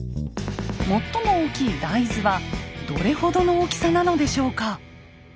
最も大きい「大図」はどれほどの大きさなのでしょうか？